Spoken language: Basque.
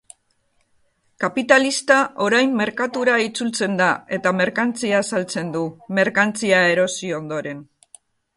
Kapitalista orain merkatura itzultzen da eta merkantzia saltzen du, merkantzia erosi ondoren.